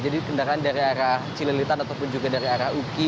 jadi kendaraan dari arah cililitan ataupun juga dari arah uki